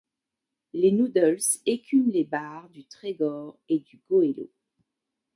Les Noodles écument les bars du Trégor et du Goëlo.